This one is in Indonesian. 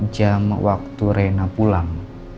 jam waktu reina pulang